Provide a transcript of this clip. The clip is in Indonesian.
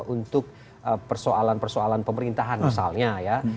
untuk persoalan persoalan pemerintahan misalnya ya